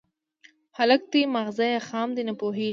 _هلک دی، ماغزه يې خام دي، نه پوهېږي.